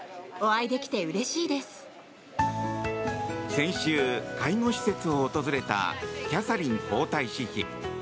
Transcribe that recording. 先週、介護施設を訪れたキャサリン皇太子妃。